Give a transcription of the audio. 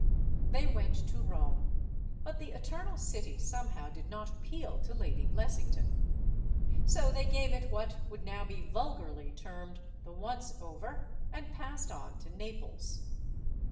They went to Rome. But the Eternal City somehow did not appeal to Lady Biessington. So they gave it what would now be vulgarly termed "the once over," and passed on to Naples.